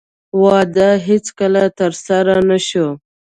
واده یې هېڅکله ترسره نه شو.